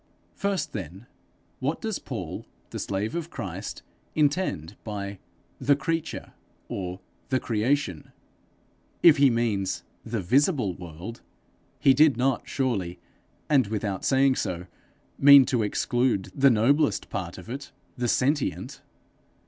First then, what does Paul, the slave of Christ, intend by 'the creature' or 'the creation'? If he means the visible world, he did not surely, and without saying so, mean to exclude the noblest part of it the sentient!